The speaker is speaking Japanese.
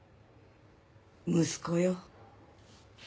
息子よ。